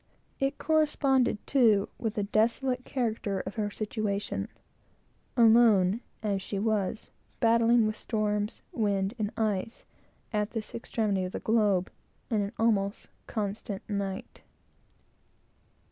It corresponded, too, with the desolate character of her situation; alone, as she was, battling with storms, wind, and ice, at this extremity of the globe, and in almost constant night.